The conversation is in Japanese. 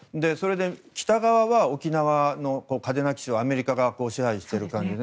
北側は沖縄の嘉手納基地をアメリカが支配している感じで。